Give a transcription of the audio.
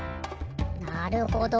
なるほど。